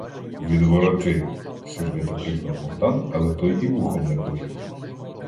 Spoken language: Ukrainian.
— Відвороти! — сердито крикнув Богдан, але той і вухом не повів: